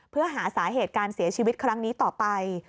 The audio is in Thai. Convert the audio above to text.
เพื่อหาสาเหตุการเสียชีวิตครั้งนี้ต่อไป